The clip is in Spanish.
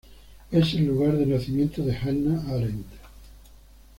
Es el lugar de nacimiento de Hannah Arendt.